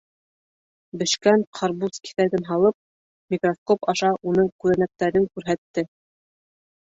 Бешкән ҡарбуз киҫәген һалып, микроскоп аша уның күҙәнәктәрен күрһәтте.